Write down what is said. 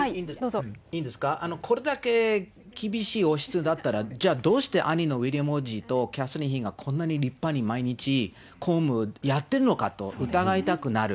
これだけ厳しい王室だったら、じゃあ、どうして兄のウィリアム王子とキャサリン妃がこんなに立派に毎日公務やってるのかと、疑いたくなる。